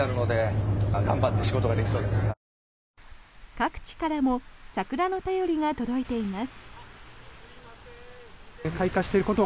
各地からも桜の便りが届いています。